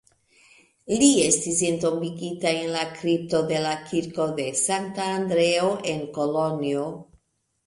Li estis entombigita en la kripto dela kirko de Sankta Andreo en Kolonjo.